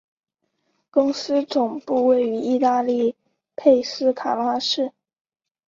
公司总部位于意大利佩斯卡拉市。